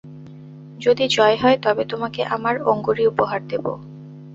যদি জয় হয় তবে তােমাকে আমার অঙ্গুরী উপহার দিব।